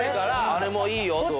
あれもいいよと。